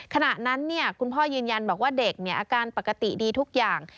ขณะนั้นคุณพ่อยืนยันบอกว่าเด็กอาการปกติดีทุกอย่าง